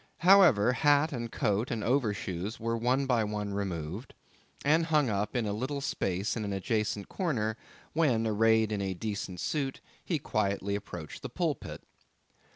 However, hat and coat and overshoes were one by one removed, and hung up in a little space in an adjacent corner; when, arrayed in a decent suit, he quietly approached the pulpit.